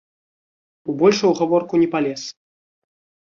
У большую гаворку не палез.